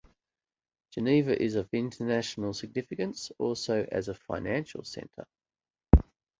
Geneva is of international significance also as a financial center.